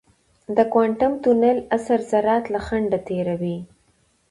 د کوانټم تونل اثر ذرات له خنډه تېروي.